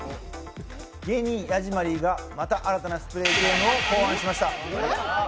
芸人・ヤジマリーがまた新たなスプレーゲームを考案しました。